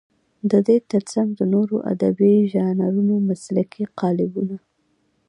د دې تر څنګ د نورو ادبي ژانرونو مسلکي قالبونه.